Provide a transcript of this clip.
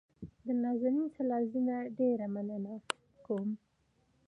د نازنین سالارزي نه ډېره مننه کوم.